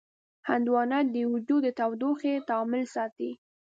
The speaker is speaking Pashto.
هندوانه د وجود د تودوخې تعادل ساتي.